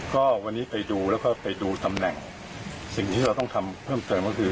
ก็วันนี้ไปดูแล้วก็ไปดูตำแหน่งสิ่งที่เราต้องทำเพิ่มเติมก็คือ